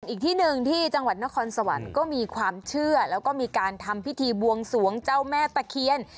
อีกที่หนึ่งที่จังหวัดนครสวรรค์ก็มีความเชื่อแล้วก็มีการทำพิธีบวงสวงเจ้าแม่ตะเคียน